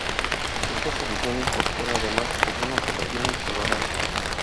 Esta solución incorpora además carbono, gelatina y colorante.